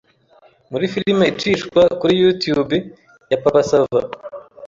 muri filime icishwa kuri Youtube ya Papa Sava.